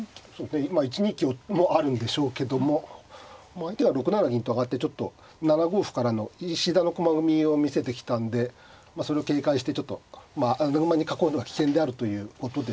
今１二香もあるんでしょうけども相手は６七銀と上がってちょっと７五歩からの石田の駒組みを見せてきたんでそれを警戒してちょっと穴熊に囲うのは危険であるということでしょうね。